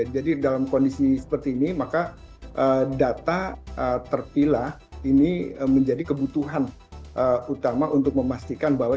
jadi dalam kondisi seperti ini maka data terpilah ini menjadi kebutuhan utama untuk memastikan bahwa